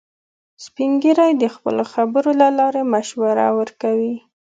سپین ږیری د خپلو خبرو له لارې مشوره ورکوي